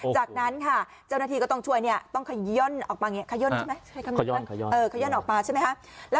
จากนั้นเจ้านาทีช่วยต้องขย่นออกมา